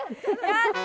やった！